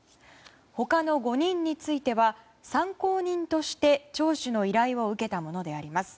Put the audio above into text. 他の５人については参考人として聴取の依頼を受けたものであります。